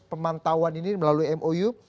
pemantauan ini melalui mou